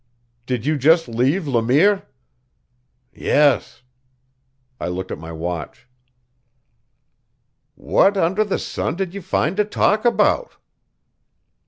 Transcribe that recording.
"Did you just leave Le Mire?" "Yes." I looked at my watch. "What under the sun did you find to talk about?"